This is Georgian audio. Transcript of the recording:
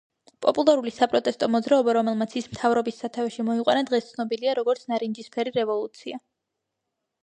პოპულარული საპროტესტო მოძრაობა, რომელმაც ის მთავრობის სათავეში მოიყვანა დღეს ცნობილია, როგორც „ნარინჯისფერი რევოლუცია“.